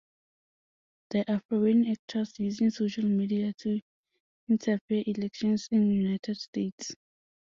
There are foreign actors using social media to interfere elections in United States.